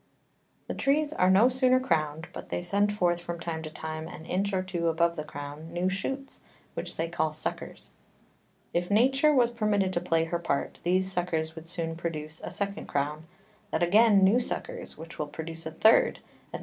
The Trees are no sooner crown'd, but they send forth, from time to time, an Inch or two above the Crown, new Shoots, which they call Suckers: If Nature was permitted to play her part, these Suckers would soon produce a second Crown, that again new Suckers, which will produce a third, _&c.